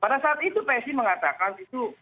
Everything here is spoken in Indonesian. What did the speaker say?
pada saat itu psi mengatakan itu